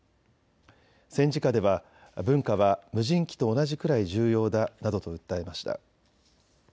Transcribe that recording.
戦時下では文化は無人機と同じくらい重要だなどと訴えました。